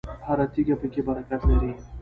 هره تیږه پکې برکت لري.